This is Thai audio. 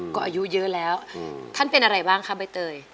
ก็อายุเยอะแล้วท่านเป็นอะไรบ้างคะใบเตย